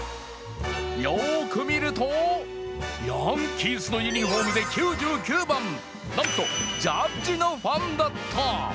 よーく見ると、ヤンキースのユニフォームで９９番なんとジャッジのファンだった。